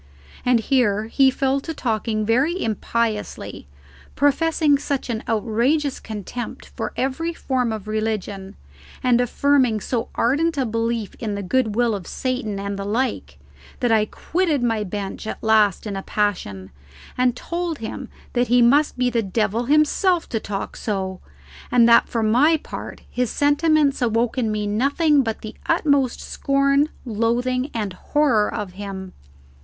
And here he fell to talking very impiously, professing such an outrageous contempt for every form of religion, and affirming so ardent a belief in the goodwill of Satan and the like, that I quitted my bench at last in a passion, and told him that he must be the devil himself to talk so, and that for my part his sentiments awoke in me nothing but the utmost scorn, loathing, and horror of him.